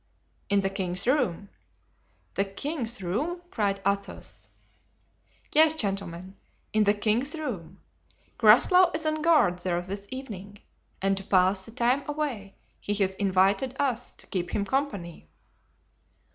"In the king's room." "The king's room?" cried Athos. "Yes, gentlemen, in the king's room. Groslow is on guard there this evening, and to pass the time away he has invited us to keep him company."